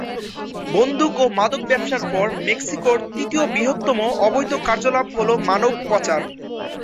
বন্দুক ও মাদক ব্যবসার পর মেক্সিকোর তৃতীয় বৃহত্তম অবৈধ কার্যকলাপ হল মানব পাচার।